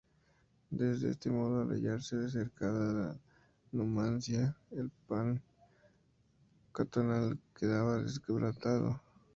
De este modo, al hallarse cercada la "Numancia", el plan cantonal quedaba desbaratado.